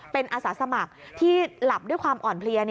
เป็นอาสาสมัครที่หลับด้วยความอ่อนเพลีย